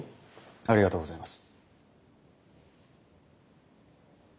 ありがとうございます。